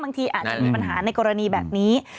บางทีอาจมีปัญหาในกรณีแบบนี้